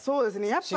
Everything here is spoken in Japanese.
やっぱ。